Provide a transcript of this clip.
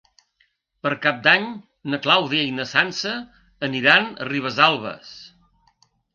Per Cap d'Any na Clàudia i na Sança aniran a Ribesalbes.